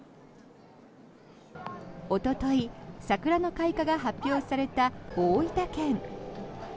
おととい、桜の開花が発表された大分県。